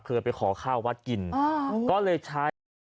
เคยไปขอข้าววัดกินก็เลยใช้